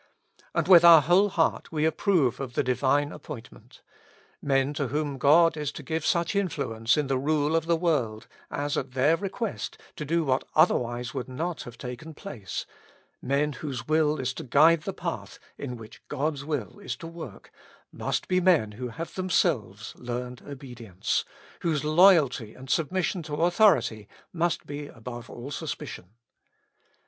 And with our whole heart we approve of the Divine appointment : men to whom God is to give such influence in the rule of the world, as at their request to do what otherwise would not have taken place, men whose will is to guide the path in which God's will is to work, must be men who have themselves learned obedience, whose loyalty and submission to authority must be above all suspicion.